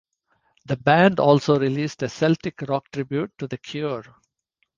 The band also released a Celtic Rock Tribute to the Cure.